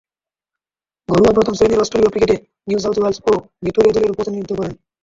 ঘরোয়া প্রথম-শ্রেণীর অস্ট্রেলীয় ক্রিকেটে নিউ সাউথ ওয়েলস ও ভিক্টোরিয়া দলের প্রতিনিধিত্ব করেন।